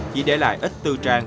chỉ để lại ít tư trang